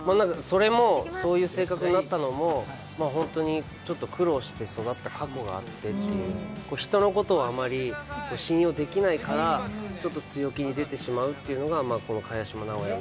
そういう性格になったのも本当にちょっと苦労して育った過去があってっていう人のことをあまり信用できないから、ちょっと強気に出てしまうというのが萱島直哉。